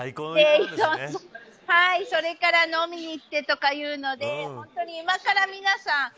それから飲みに行ってとかいうので本当に、今から皆さん。